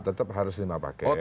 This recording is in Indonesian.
tetap harus lima paket